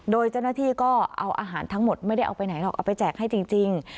โดยเจ้าหน้าที่ก็เอาอาหารทั้งหมดไม่ได้เอาไปไหนหรอกเอาไปแจกให้จริง